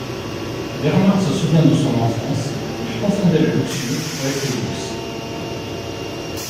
Bernard se souvient de son enfance, où il confondait la luxure avec le luxe.